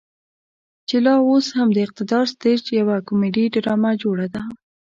چې لا اوس هم د اقتدار سټيج يوه کميډي ډرامه جوړه ده.